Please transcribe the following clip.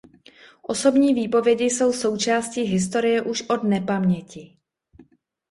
Osobní výpovědi jsou součástí historie už od nepaměti.